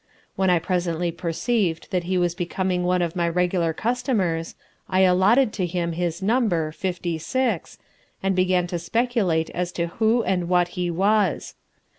When I presently perceived that he was becoming one of my regular customers, I allotted to him his number, Fifty Six, and began to speculate as to who and what he was.